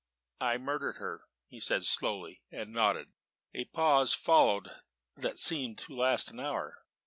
"I murdered her," he said slowly, and nodded. A pause followed that seemed to last an hour.